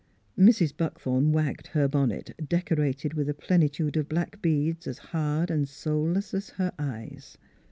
Mrs. Buckthorn wagged her bonnet, decorated with a plenitude of black beads as hard and soul less as her eyes.